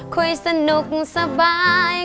คุยสนุกสบาย